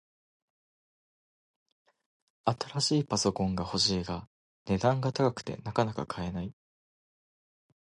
新しいパソコンが欲しいが、値段が高くてなかなか買えない